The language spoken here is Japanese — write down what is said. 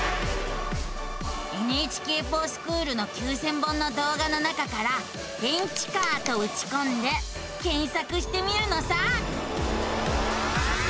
「ＮＨＫｆｏｒＳｃｈｏｏｌ」の９，０００本の動画の中から「電池カー」とうちこんで検索してみるのさ。